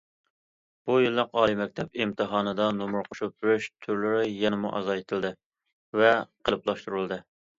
بۇ يىللىق ئالىي مەكتەپ ئىمتىھانىدا، نومۇر قوشۇپ بېرىش تۈرلىرى يەنىمۇ ئازايتىلدى ۋە قېلىپلاشتۇرۇلدى.